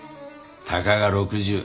たかが６０。